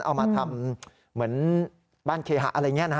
เอามาทำเหมือนบ้านเคหะอะไรอย่างนี้นะฮะ